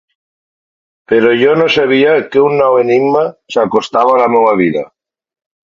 Però jo no sabia que un nou enigma s'acostava a la meua vida.